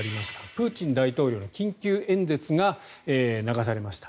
プーチン大統領の緊急演説が流されました。